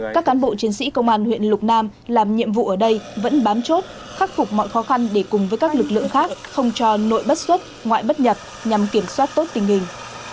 các cán bộ chiến sĩ công an huyện lục nam làm nhiệm vụ ở đây vẫn bám chốt khắc phục mọi khó khăn để cùng với các lực lượng khác không cho nội bất xuất ngoại bất nhật nhằm kiểm soát tốt tình hình